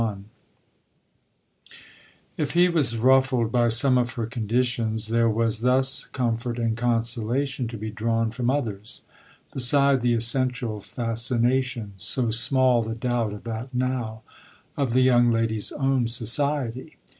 XXXI If he was ruffled by some of her conditions there was thus comfort and consolation to be drawn from others, beside the essential fascination so small the doubt of that now of the young lady's own society.